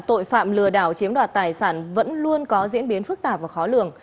tội phạm lừa đảo chiếm đoạt tài sản vẫn luôn có diễn biến phức tạp và khó lường